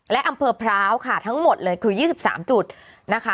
และอำเภอพร้าวค่ะทั้งหมดเลยคือ๒๓จุดนะคะ